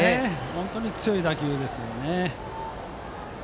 本当に強い打球です。